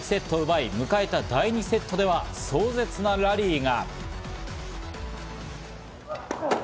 第１セットを奪い、迎えた第２セットでは壮絶なラリーが。